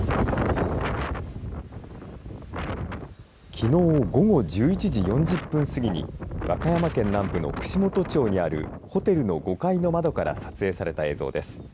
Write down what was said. きのう午後１１時４０分過ぎに和歌山県南部の串本町にあるホテルの５階の窓から撮影された映像です。